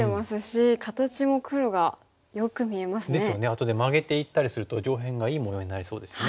あとでマゲていったりすると上辺がいいものになりそうですね。